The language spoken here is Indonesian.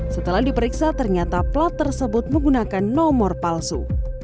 setelah diperiksa ternyata plat tersebut menggunakan nomor palsu